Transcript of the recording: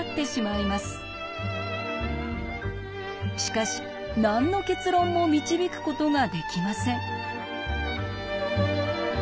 しかし何の結論も導くことができません。